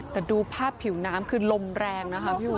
แต่ดูภาพผิวน้ำคือลมแรงนะครับผิวน้ำ